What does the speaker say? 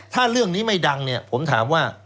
ถ้าเรื่องนี้ไม่ดังเนี่ยผมถามว่า